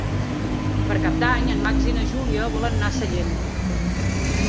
Per Cap d'Any en Max i na Júlia volen anar a Sallent.